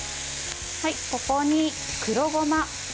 ここに黒ごま。